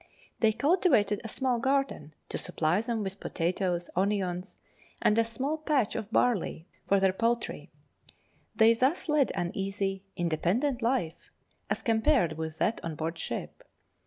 They cultivated a small garden to supply them with potatoes, onions, and a small patch of barley for their poultry. They thus led an easy, independent life, as compared with that on board ship.